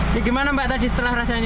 bagaimana mbak tadi setelah rasanya